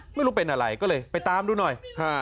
ไม่รู้เป็นอะไรก็เลยไปตามดูหน่อย